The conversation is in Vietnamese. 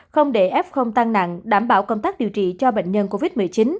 không để f tăng nặng đảm bảo công tác điều trị cho bệnh nhân covid một mươi chín